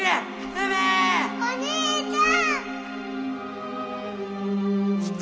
梅！お兄ちゃん！